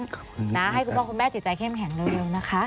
ขอบคุณมากครับนะให้คุณพ่อคุณแม่จิตใจเข้มแข็งเร็วนะคะ